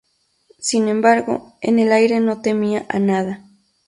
Sin embargo, en el aire no temía a nada.